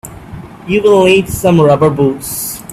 You will need some rubber boots.